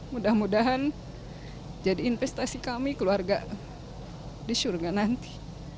mudah mudahan jadi investasi kami keluarga di surga nanti